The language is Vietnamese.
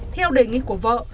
theo đề nghị của vợ